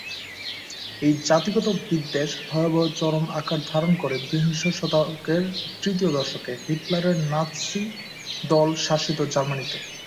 এই জাতিগত বিদ্বেষ ভয়াবহ চরম আকার ধারণ করে বিংশ শতকের তৃতীয় দশকে, হিটলারের নাৎসি দল-শাসিত জার্মানিতে।